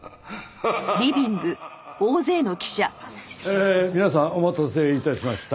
えー皆さんお待たせ致しました。